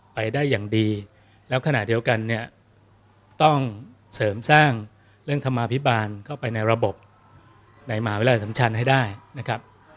ไปได้อย่างดีแล้วขณะเดียวกันเนี่ยต้องเสริมสร้างเรื่องธรรมาภิบาลเข้าไปในระบบในมหาวิทยาลัยสัมชันให้ได้นะครับ